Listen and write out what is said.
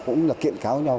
cũng kiện cáo nhau